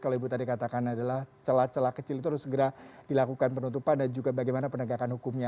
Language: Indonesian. kalau ibu tadi katakan adalah celah celah kecil itu harus segera dilakukan penutupan dan juga bagaimana penegakan hukumnya